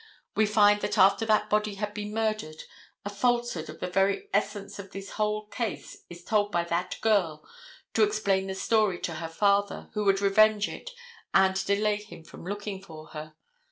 We find that after that body had been murdered a falsehood of the very essence of this whole case is told by that girl to explain the story to the father, who would revenge it and delay him from looking for her.